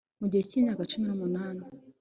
mu gihe cy'imyaka cumi n'umunani